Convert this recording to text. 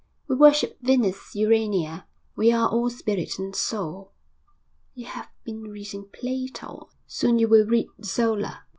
'We worship Venus Urania. We are all spirit and soul.' 'You have been reading Plato; soon you will read Zola.'